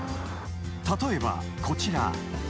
［例えばこちら］